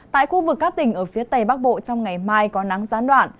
tại khu vực các tỉnh ở phía tây bắc bộ trong ngày mai có nắng gián đoạn